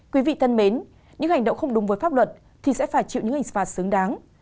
quý vị thân mến những hành động không đúng với pháp luật thì sẽ phải chịu những hình phạt xứng đáng